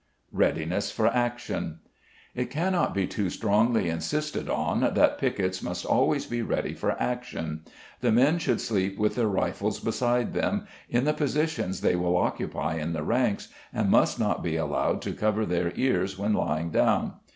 Readiness for Action. It cannot be too strongly insisted on that piquets must always be ready for action. The men should sleep with their rifles beside them, in the positions they will occupy in the ranks, and must not be allowed to cover their ears when lying down.